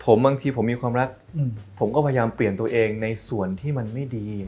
บางทีผมมีความรักผมก็พยายามเปลี่ยนตัวเองในส่วนที่มันไม่ดี